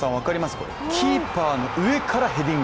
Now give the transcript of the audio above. これ、キーパーの上からヘディング。